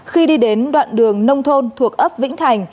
khi đi đến đoạn đường nông thôn thuộc ấp vĩnh thành